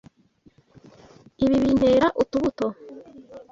Ibi bintera utubuto.